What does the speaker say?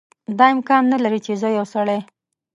دا امکان نه لري چې زه یو سړی.